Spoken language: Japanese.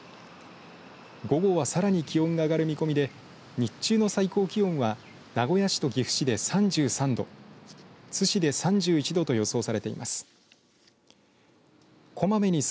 午後はさらに気温が上がる見込みで日中の最高気温は名古屋市と岐阜市で３３度津市で３１度と予想されています。